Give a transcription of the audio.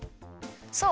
そう。